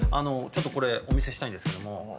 ちょっとこれお見せしたいんですけども。